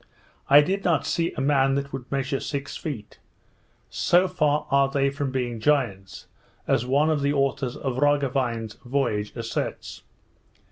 I did not see a man that would measure six feet; so far are they from being giants, as one of the authors of Roggewein's voyage asserts.